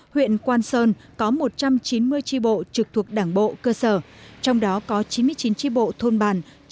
huyện quang sơn có một trăm chín mươi tri bộ trực thuộc đảng bộ cơ sở trong đó có chín mươi chín tri bộ thôn bàn